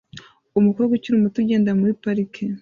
Umukobwa ukiri muto ugenda muri parike